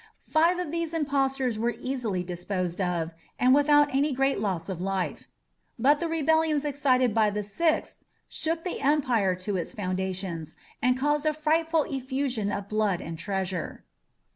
Five of these impostors were easily disposed of, and without any great loss of life; but the rebellions excited by the sixth shook the Empire to its foundations, and caused a frightful effusion of blood and treasure.